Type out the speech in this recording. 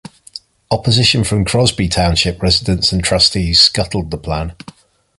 Opposition from Crosby Township residents and trustees scuttled the plan.